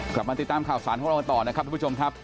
กลับมาติดตามข่าวสารของเรากันต่อนะครับทุกผู้ชมครับ